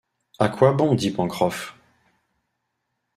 À quoi bon dit Pencroff